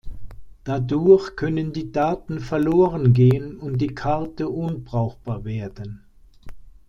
Dadurch können die Daten verloren gehen und die Karte unbrauchbar werden.